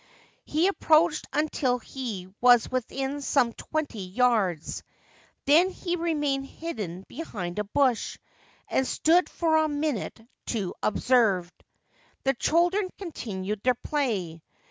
He approached until he was within some twenty yards ; then he remained hidden behind a bush, and stood for a minute to observe. The children continued their play.